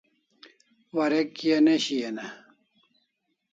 Warek kia ne shian e?